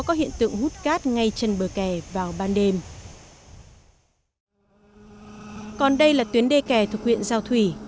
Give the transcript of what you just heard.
có hiện tượng hút cát ngay chân bờ kè vào ban đêm còn đây là tuyến đê kè thuộc huyện giao thủy